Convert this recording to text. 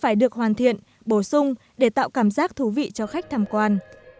nhưng các du khách đã đồng thời đồng thời tham thiện bổ sung để tạo cảm giác thú vị cho khách tham quan